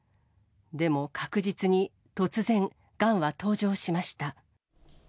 でも、確実に突然、がんは登場しました。